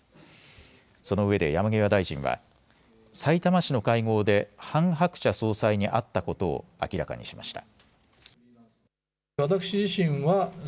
そのうえで山際大臣は、さいたま市の会合でハン・ハクチャ総裁に会ったことを明らかにしました。